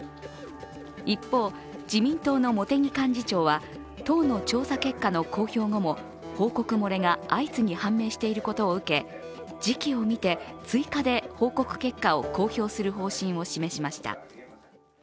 一方、自民党の茂木幹事長は党の調査結果の公表後も、報告漏れが相次ぎ判明していることを受け時期を見て、追加で報告結果を公表する方針を示しました。